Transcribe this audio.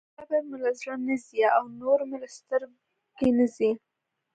صبر مې له زړه نه ځي او نور مې له سترګې نه ځي.